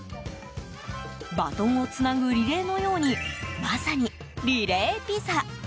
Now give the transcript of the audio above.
バトンをつなぐリレーのようにまさにリレーピザ。